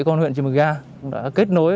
con huyện chimuga đã kết nối